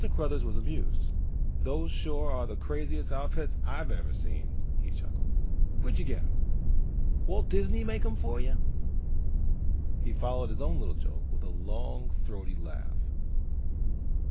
Cruthers was amused. "Those sure are the craziest outfits I've ever seen," he chuckled. "Where'd you get them? Walt Disney make them for you?" He followed his own little joke with a long throaty laugh.